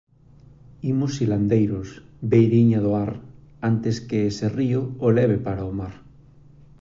Imos silandeiros, beiriña do ar, antes que ese río o leve para o mar